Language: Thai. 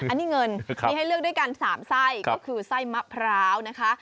อันนี้เงินมีให้เลือกด้วยกัน๓ไส้ก็คือไส้มะพร้าวนะคะ